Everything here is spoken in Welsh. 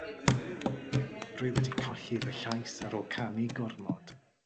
Rwy wedi colli fy llais ar ôl canu gormod.